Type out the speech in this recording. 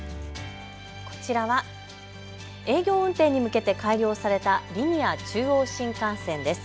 こちらは営業運転に向けて改良されたリニア中央新幹線です。